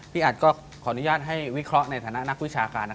อัดก็ขออนุญาตให้วิเคราะห์ในฐานะนักวิชาการนะ